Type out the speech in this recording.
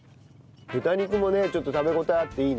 豚肉もねちょっと食べ応えあっていいね。